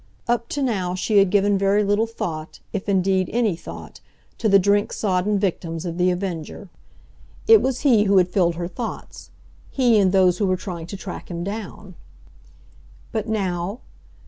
Up to now she had given very little thought—if, indeed, any thought—to the drink sodden victims of The Avenger. It was he who had filled her thoughts,—he and those who were trying to track him down. But now?